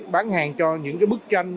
bán hàng cho những cái bức tranh